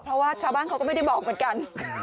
เพราะว่าชาวบ้านเขาก็ไม่ได้บอกเหมือนกัน